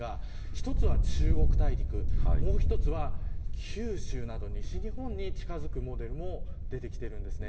一つは中国大陸もう一つは、九州など西日本に近づくモデルも出ています。